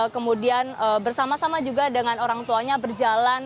kemudian bersama sama juga dengan orang tuanya berjalan